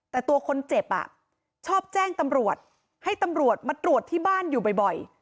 แต่ตัวคนเจ็บชอบแจ้งตำรวจให้ตำรวจมาตรวจที่บ้านอยู่บ่อย